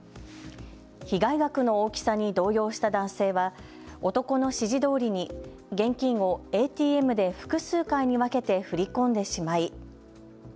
被害額の大きさに動揺した男性は男の指示どおりに現金をＡＴＭで複数回に分けて振り込んでしまい。